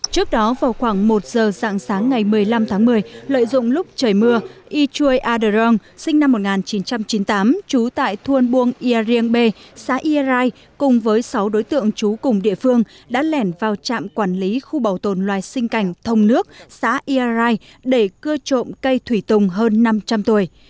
trước đó vào khoảng một giờ dạng sáng ngày một mươi năm tháng một mươi lợi dụng lúc trời mưa yichui aderong sinh năm một nghìn chín trăm chín mươi tám trú tại thuôn buông ia riang bê xã ea rai cùng với sáu đối tượng trú cùng địa phương đã lẻn vào trạm quản lý khu bảo tồn loài sinh cảnh thông nước xã ea rai để cưa trộm cây thủy tùng hơn năm trăm linh tuổi